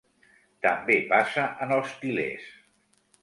També passa en els til·lers.